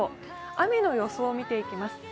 雨の予想を見ていきます。